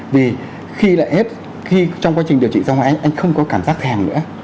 vì trong quá trình điều trị xong anh không có cảm giác thèm nữa